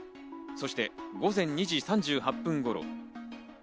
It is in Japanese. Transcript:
そして午前２時３８分頃。